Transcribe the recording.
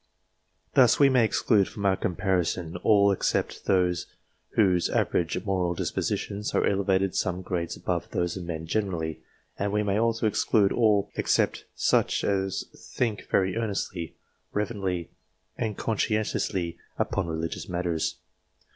Thus, we may exclude from our DIVINES 267 comparison all except those whose average moral dispositions are elevated some grades above those of men generally; and we may also exclude all except such as think very earnestly, reverently, and conscientiously upon religious matters.